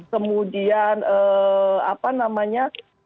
kemudian apa namanya